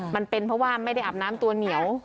มันเป็นเพราะว่าไม่ได้อาบน้ำตัวเหนียว